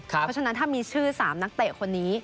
เพราะฉะนั้นถ้ามีชื่อ๓นักเตะคนนี้